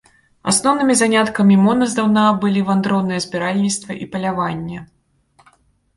Асноўнымі заняткамі мона здаўна былі вандроўнае збіральніцтва і паляванне.